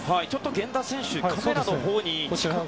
源田選手カメラのほうに。